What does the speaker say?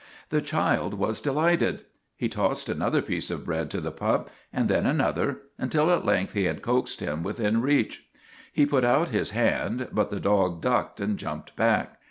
The child was delighted. He tossed another piece of bread to the pup, and then another, until at length he had coaxed him within reach. He put out his hand, but the dog ducked and jumped back.